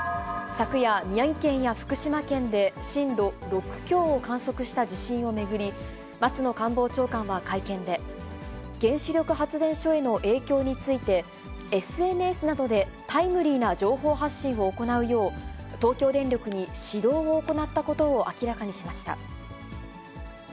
昨夜、宮城県や福島県で震度６強を観測した地震を巡り、松野官房長官は会見で、原子力発電所への影響について、ＳＮＳなどでタイムリーな情報発信を行うよう東京電力に指導を行ったことを明らかにしました。